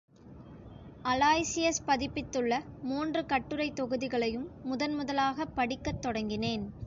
Aloysius பதிப்பித்துள்ள மூன்று கட்டுரைத் தொகுதிகளையும் முதன் முதலாகப் படிக்கத் தொடங்கினேன்.